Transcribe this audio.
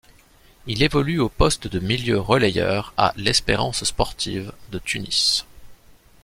Il évolue au poste de milieu relayeur à l'Espérance sportive de Tunis.